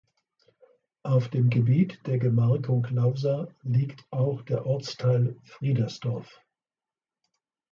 Auf dem Gebiet der Gemarkung Lausa liegt auch der Ortsteil Friedersdorf.